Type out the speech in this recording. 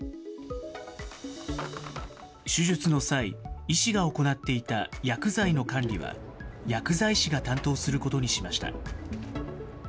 手術の際、医師が行っていた薬剤の管理は、薬剤師が担当することにしました。